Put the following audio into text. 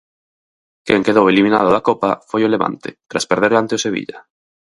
Quen quedou eliminado da Copa foi o Levante, tras perder ante o Sevilla.